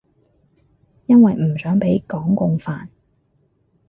因為唔想畀港共煩